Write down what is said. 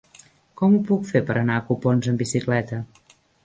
Com ho puc fer per anar a Copons amb bicicleta?